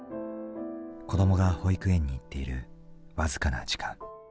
子どもが保育園に行っている僅かな時間。